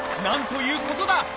何ということだ！